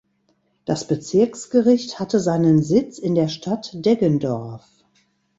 Das Bezirksgericht hatte seinen Sitz in der Stadt Deggendorf.